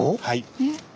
はい。